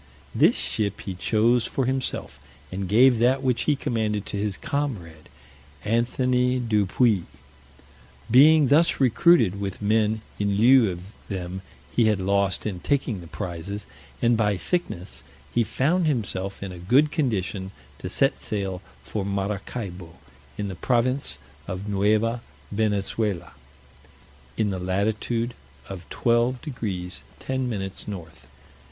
This ship he chose for himself, and gave that which he commanded to his comrade, Anthony du Puis. Being thus recruited with men in lieu of them he had lost in taking the prizes, and by sickness, he found himself in a good condition to set sail for Maracaibo, in the province of Neuva Venezuela, in the latitude of 12 deg. 10 min. north.